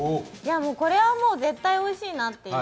これはもう絶対おいしいなという。